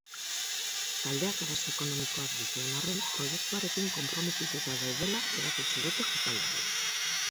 Taldeak arazo ekonomikoak dituen arren, proiektuarekin konprometituta daudela erakutsi dute jokalariek.